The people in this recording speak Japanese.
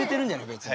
別に。